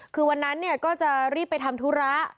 คือวันนั้นก็จะรีบไปทำธุระ